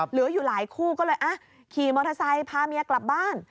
เหลืออยู่หลายคู่ก็เลยขี่มอเตอร์ไซค์พาเมียกลับบ้าน